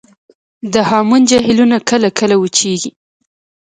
د هامون جهیلونه کله کله وچیږي